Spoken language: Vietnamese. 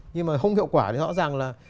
nhưng mà không hiệu quả thì rõ ràng là